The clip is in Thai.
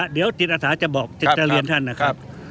เดี๋ยวจิตอาสาจะบอกจิตจะเรียนท่านนะครับ